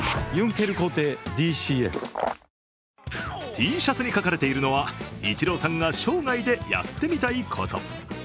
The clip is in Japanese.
Ｔシャツに書かれているのはイチローさんが生涯でやってみたいこと。